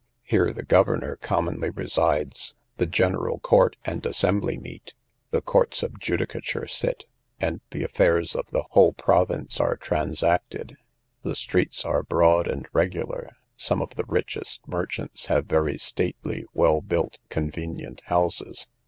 Here the governor commonly resides, the general court and assembly meet, the courts of judicature sit, and the affairs of the whole province are transacted. The streets are broad and regular; some of the richest merchants have very stately, well built, convenient houses.